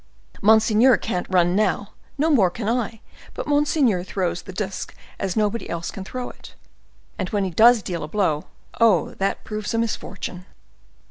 Monseigneur can't run now, no more can I; but monseigneur throws the disc as nobody else can throw it. And when he does deal a blow, oh, that proves a misfortune!"